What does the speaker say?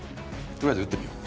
とりあえず打ってみよう。